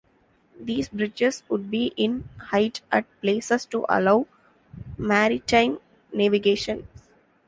These bridges would be in height at places to allow maritime navigation.